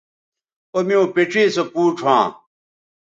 او میوں پڇے سو پوڇ ھواں